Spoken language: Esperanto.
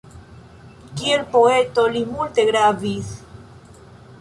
Kiel poeto li multe gravis.